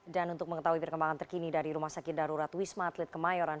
dan untuk mengetahui perkembangan terkini dari rumah sakit darurat wisma atlet kemayoran